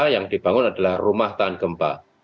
yang dibangun adalah rumah tahan gempa